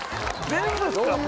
全部っすか？